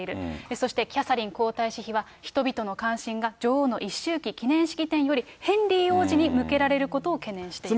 そして、キャサリン皇太子妃は人々の関心が女王の一周忌記念式典よりヘンリー王子に向けられることを懸念していると。